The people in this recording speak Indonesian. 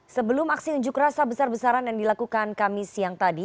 sebelum aksi unjuk rasa besar besaran yang dilakukan kami siang tadi